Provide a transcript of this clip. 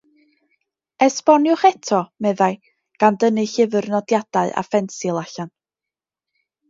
"Esboniwch eto," meddai, gan dynnu llyfr nodiadau a phensil allan.